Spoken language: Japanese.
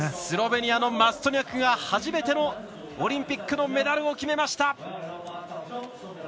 スロベニアのマストニャク初めてのオリンピックのメダルを決めました。